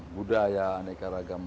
budaya aneka ragam